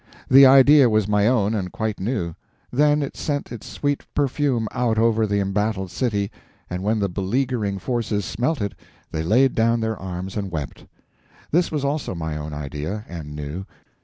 The idea was my own, and quite new. Then it sent its sweet perfume out over the embattled city, and when the beleaguering forces smelt it they laid down their arms and wept. This was also my own idea, and new.